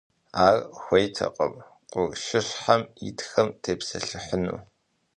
Ар хуейтэкъым къуршыщхьэм итхэм тепсэлъыхьыну.